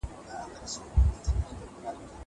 زه مخکي شګه پاکه کړې وه.